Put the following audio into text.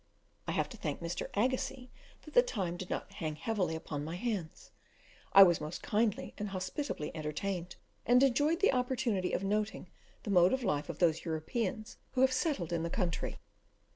I have to thank Mr. Agassiz that the time did not hang heavily upon my hands; I was most kindly and hospitably entertained, and enjoyed the opportunity of noting the mode of life of those Europeans who have settled in the country.